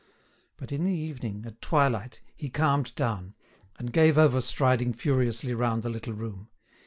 But, in the evening, at twilight, he calmed down, and gave over striding furiously round the little room.